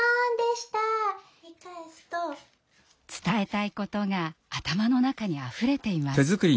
伝えたいことが頭の中にあふれています。